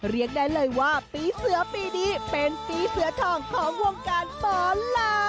เรียกได้เลยว่าปีเสือปีนี้เป็นปีเสือทองของวงการหมอลำ